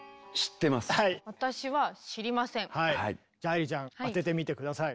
うん。じゃあ愛理ちゃん当ててみて下さい。